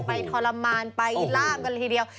ไปทรมานไปล่ามกันทีเดียว